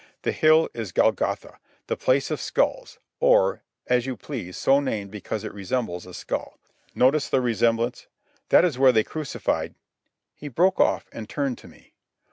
"The hill is Golgotha, the Place of Skulls, or, as you please, so named because it resembles a skull. Notice the resemblance. That is where they crucified—" He broke off and turned to me.